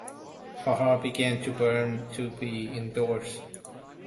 Her heart began to burn to be indoors.